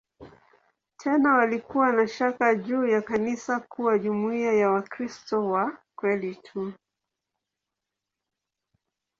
Tena walikuwa na shaka juu ya kanisa kuwa jumuiya ya "Wakristo wa kweli tu".